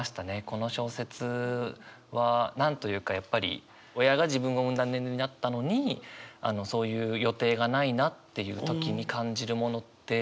この小説は何と言うかやっぱり親が自分を産んだ年齢になったのにそういう予定がないなっていう時に感じるものって。